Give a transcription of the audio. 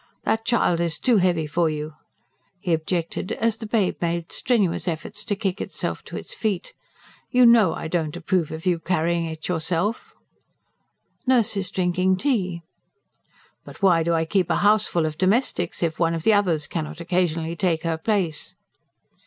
That child is too heavy for you," he objected, as the babe made strenuous efforts to kick itself to its feet. "You know I do not approve of you carrying it yourself." "Nurse is drinking tea." "But why do I keep a houseful of domestics if one of the others cannot occasionally take her place?"